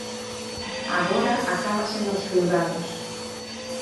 Agora acábase nos xulgados.